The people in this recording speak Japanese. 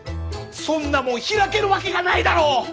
そんなもん開けるわけがないだろう！